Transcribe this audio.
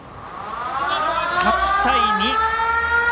８対２。